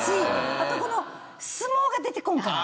あと相撲が出てこんかな？